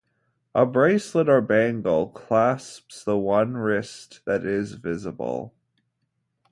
A bracelet or bangle clasps the one wrist that is visible.